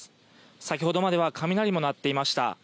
先ほどまでは雷も鳴っていました。